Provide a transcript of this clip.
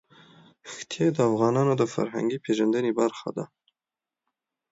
ښتې د افغانانو د فرهنګي پیژندنې برخه ده.